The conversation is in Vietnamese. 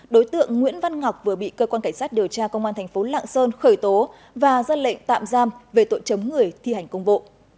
đối tượng nguyễn văn ngọc vừa bị cơ quan cảnh sát điều tra công an thành phố lạng sơn khởi tố và ra lệnh tạm giam về tội chấm người thi hành công vụ